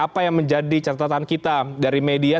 apa yang menjadi catatan kita dari media